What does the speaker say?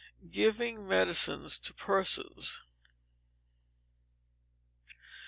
Giving Medicines to Persons.